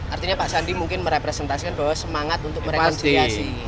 artinya pak sandi mungkin merepresentasikan bahwa semangat untuk merekonstruasi